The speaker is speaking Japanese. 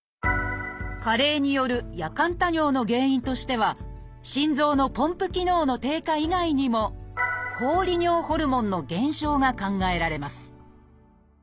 加齢による夜間多尿の原因としては心臓のポンプ機能の低下以外にも抗利尿ホルモンの減少が考えられます